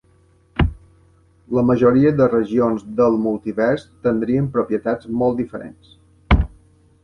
La majoria de regions del multivers tindrien propietats molt diferents.